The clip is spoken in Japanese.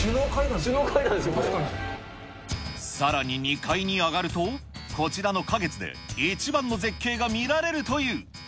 さらに２階に上がると、こちらの花月で一番の絶景が見られるという。